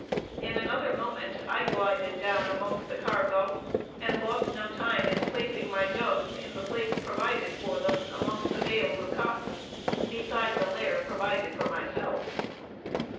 In another moment I glided down amongst the cargo, and lost no time in placing my jugs in the place provided for them, amongst the bales of cotton, beside the lair provided for myself.